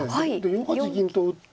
４八銀と打って。